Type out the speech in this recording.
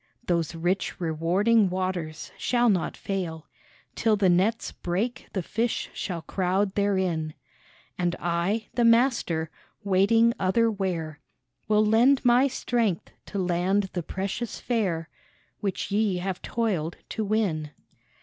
" Those rich, rewarding waters shall not fail, Till the nets break the fish shall crowd therein ; And I, the Master, waiting other where, Will lend My strength to land the precious fare Which ye have toiled to win."